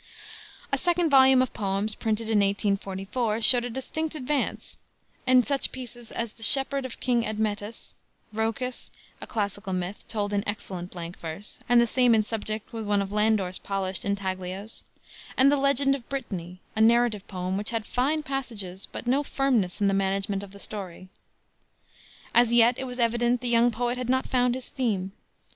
A second volume of poems, printed in 1844, showed a distinct advance, in such pieces as the Shepherd of King Admetus, Rhoecus, a classical myth, told in excellent blank verse, and the same in subject with one of Landor's polished intaglios; and the Legend of Britanny, a narrative poem, which had fine passages, but no firmness in the management of the story. As yet, it was evident, the young poet had not found his theme.